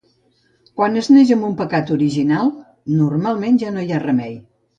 Quan es neix amb un pecat original, normalment ja no hi ha remei.